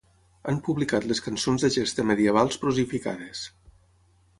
Han publicat les cançons de gesta medievals prosificades.